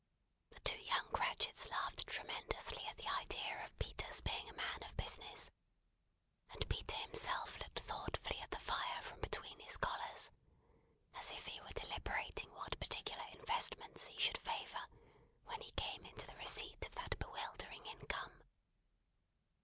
The two young Cratchits laughed tremendously at the idea of Peter's being a man of business; and Peter himself looked thoughtfully at the fire from between his collars, as if he were deliberating what particular investments he should favour when he came into the receipt of that bewildering income.